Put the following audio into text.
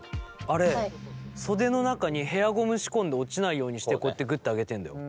あれ袖の中にヘアゴム仕込んで落ちないようにしてこうやってグッて上げてんだよ。